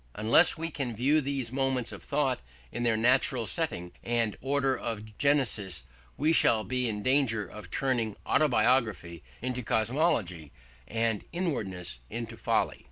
Unless we can view these movements of thought in their natural setting and order of genesis, we shall be in danger of turning autobiography into cosmology and inwardness into folly.